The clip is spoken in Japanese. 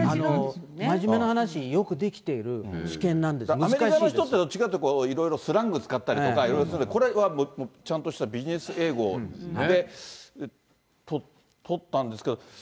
真面目な話、よくできているアメリカの人ってスラング使ったりとか、いろいろするけど、これはちゃんとしたビジネス英語で、取ったんですけど。